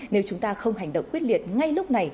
nếu chúng ta không hành động quyết liệt ngay lúc này